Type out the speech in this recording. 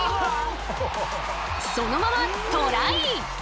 そのままトライ！